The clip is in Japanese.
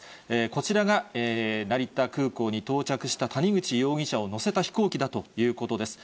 こちらが、成田空港に到着した、谷口容疑者を乗せた飛行機だということです。